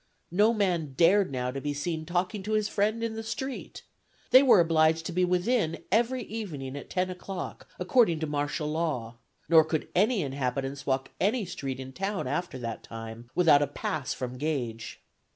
No man dared now to be seen talking to his friend in the street. They were obliged to be within, every evening, at ten o'clock, according to martial law; nor could any inhabitants walk any street in town after that time, without a pass from Gage.